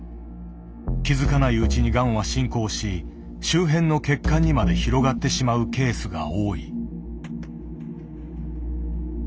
気付かないうちにがんは進行し周辺の血管にまで広がってしまうケースが多い。